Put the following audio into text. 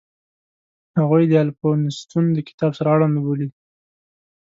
هغوی د الفونستون د کتاب سره اړوند بولي.